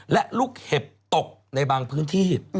และลูกเห็บตกในบางพื้นที่